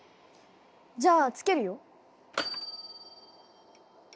じゃあつけるよ。